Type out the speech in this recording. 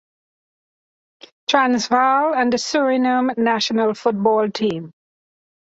Transvaal and the Suriname national football team.